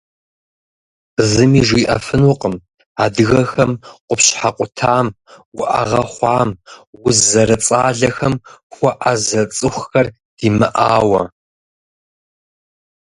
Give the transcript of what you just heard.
Зыми жиӏэфынукъым адыгэхэм къупщхьэ къутам, уӏэгъэ хъуам, уз зэрыцӏалэхэм хуэӏэзэ цӏыхухэр димыӏауэ.